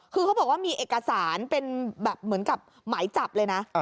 คือเขาบอกว่ามีเอกสารเป็นแบบเหมือนกับหมายจับเลยนะ